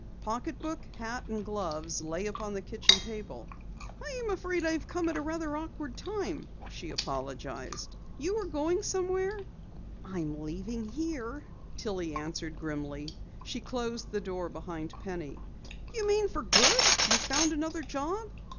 Pocketbook, hat and gloves lay upon the kitchen table. "I am afraid I've come at an awkward time," she apologized. "You were going somewhere?" "I'm leaving here," Tillie answered grimly. She closed the door behind Penny. "You mean for good? You've found another job?"